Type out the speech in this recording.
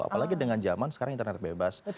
apalagi dengan zaman sekarang internet bebas